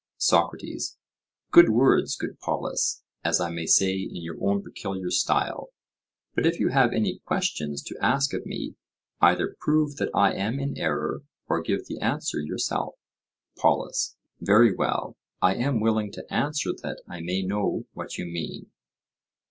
SOCRATES: Good words, good Polus, as I may say in your own peculiar style; but if you have any questions to ask of me, either prove that I am in error or give the answer yourself. POLUS: Very well, I am willing to answer that I may know what you mean.